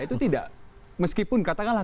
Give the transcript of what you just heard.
itu tidak meskipun katakanlah